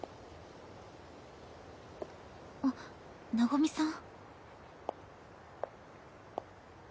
あっ和さん。